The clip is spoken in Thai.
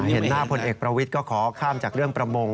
เห็นหน้าพลเอกประวิทย์ก็ขอข้ามจากเรื่องประมง